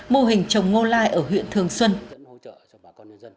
mô hình trồng ngô lai ở huyện thường xuân